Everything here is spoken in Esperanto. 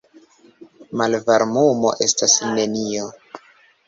Malvarmumo estas nenio.